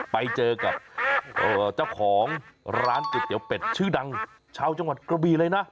ไปเจอกับเจ้าของร้านก๋วยเตี๋ยวเป็ดชื่อดังชาวจังหวัดกระบีเลยนะ